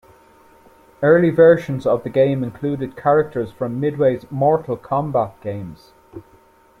Early versions of the game included characters from Midway's "Mortal Kombat" games.